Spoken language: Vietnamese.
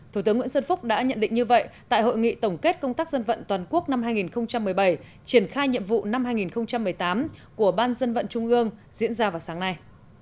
thủ tướng nguyễn xuân phúc đã nhận định như vậy tại hội nghị tổng kết công tác dân vận toàn quốc năm hai nghìn một mươi bảy triển khai nhiệm vụ năm hai nghìn một mươi tám của ban dân vận trung ương diễn ra vào sáng nay